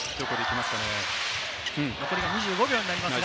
残り２５秒になります。